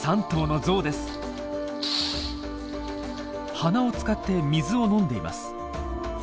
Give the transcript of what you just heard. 鼻を使って水を飲んでいます。